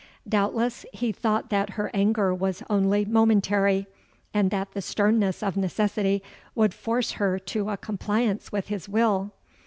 Doubtless he thought that her anger was only momentary, and that the sternness of necessity would force her to a compliance with his will.